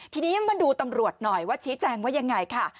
ทีนี้มาดูตำรวจหน่อยว่าชี้แจงว่ายังไงค่ะ